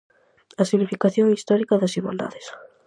A significación histórica das Irmandades.